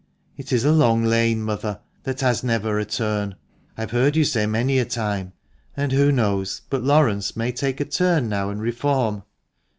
' It is a long lane,' mother, ' that has never a turn,' I have heard you say many a time ; and who knows but Laurence may take a turn now, and reform